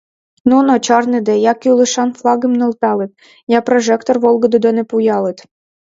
Нуно, чарныде, я кӱлешан флагым нӧлталыт, я прожектор волгыдо дене пӱялыт.